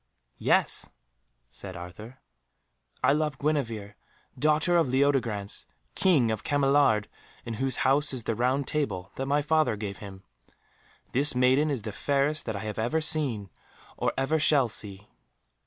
"Yes," said Arthur, "I love Guenevere, daughter of Leodegrance, King of Cameliard, in whose house is the Round Table that my father gave him. This maiden is the fairest that I have ever seen, or ever shall see."